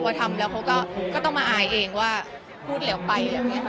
พอทำแล้วเขาก็ต้องมาอายเองว่าพูดเหลือไป